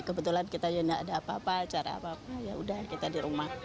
kebetulan kita ya tidak ada apa apa acara apa apa yaudah kita di rumah